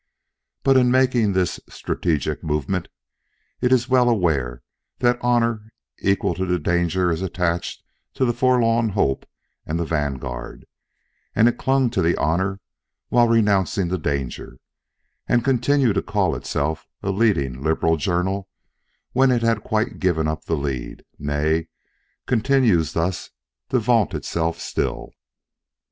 But in making this "strategic movement," it is well aware that honor equal to the danger is attached to the forlorn hope and the vanguard, and it clung to the honor while renouncing the danger, and continued to call itself a leading Liberal journal when it had quite given up the lead—nay, continues thus to vaunt itself still.